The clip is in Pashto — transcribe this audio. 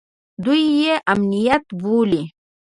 دوى يې امنيت بولي.